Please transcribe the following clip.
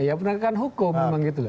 ya penegakan hukum memang gitu loh